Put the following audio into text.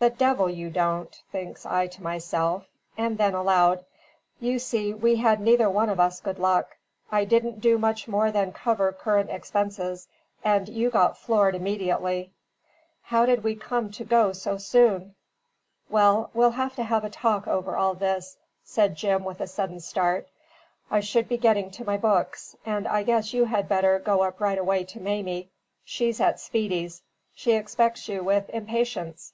"The devil you don't!" thinks I to myself; and then aloud: "You see we had neither one of us good luck. I didn't do much more than cover current expenses; and you got floored immediately. How did we come to go so soon?" "Well, we'll have to have a talk over all this," said Jim with a sudden start. "I should be getting to my books; and I guess you had better go up right away to Mamie. She's at Speedy's. She expects you with impatience.